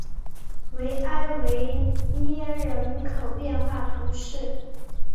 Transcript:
维埃维涅人口变化图示